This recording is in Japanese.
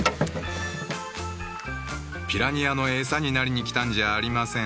ピラニアの餌になりに来たんじゃありません。